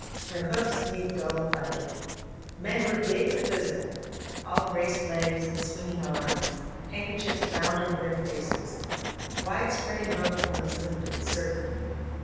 Their hoofs made dull thunder. Men were vaguely visible, all braced legs and swinging arms, handkerchiefs bound over their faces; wide spreading rope coils lifted, circling.